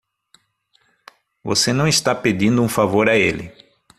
Você não está pedindo um favor a ele.